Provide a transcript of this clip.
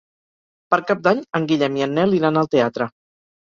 Per Cap d'Any en Guillem i en Nel iran al teatre.